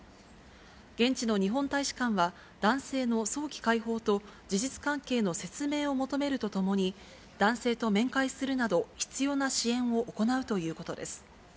現地の日本大使館は、男性の早期解放と事実関係の説明を求めるとともに、男性と面会するなど、必要な支援を行うということです。